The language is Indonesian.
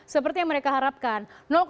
seperti yang mereka harapkan